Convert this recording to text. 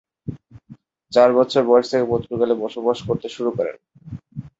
চার বছর বয়স থেকে পর্তুগালে বসবাস করতে শুরু করেন।